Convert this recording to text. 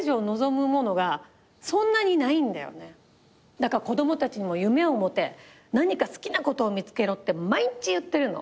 だから子供たちにも夢を持て何か好きなことを見つけろって毎日言ってるの。